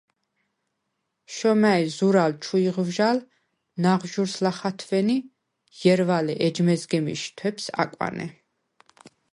შომა̈ჲ, ზურალ ჩუ იღვჟალ, ნაღვჟურს ლახ ათვენი, ჲერვალე ეჯ მეზგემიშ თვეფს აკვანე.